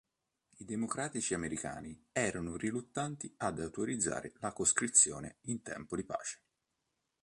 I democratici americani erano riluttanti ad autorizzare la coscrizione in tempo di pace.